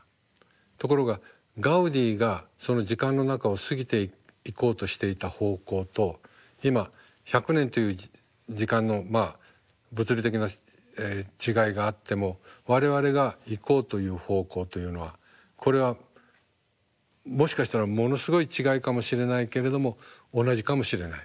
ところがガウディがその時間の中を過ぎていこうとしていた方向と今１００年という時間のまあ物理的な違いがあっても我々が行こうという方向というのはこれはもしかしたらものすごい違いかもしれないけれども同じかもしれない。